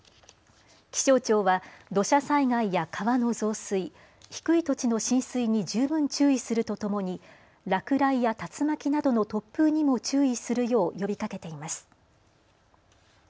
気象庁は土砂災害や川の増水、低い土地の浸水に十分注意するとともに落雷や竜巻などの突風にも注意するよう呼びかけています。